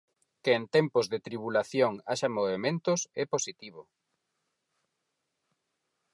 Que en tempos de tribulación haxa movementos é positivo.